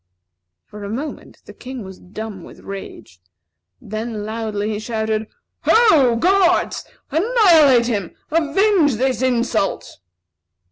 For a moment, the King was dumb with rage. Then loudly he shouted: "Ho, guards! Annihilate him! Avenge this insult!"